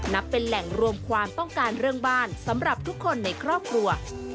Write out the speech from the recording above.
นับเป็นแหล่งรวมความต้องการเรื่องบ้านสำหรับทุกคนในครอบครัว